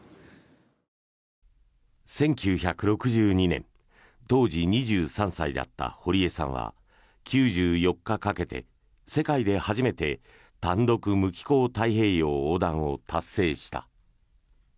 １９６２年当時２３歳だった堀江さんは９４日かけて、世界で初めて単独無寄港太平洋横断を達成した。